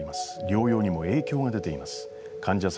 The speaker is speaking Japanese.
療養にも影響が出ています。